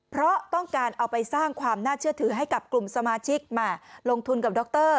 เพราะต้องการเอาไปสร้างความน่าเชื่อถือให้กับกลุ่มสมาชิกมาลงทุนกับดร